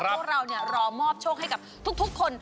เพราะเราเนี่ยรอมอบโชคให้กับทุกคน